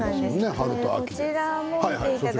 春と秋で。